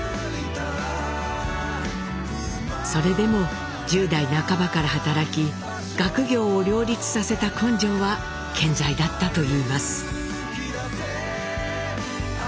それでも１０代半ばから働き学業を両立させた根性は健在だったといいます。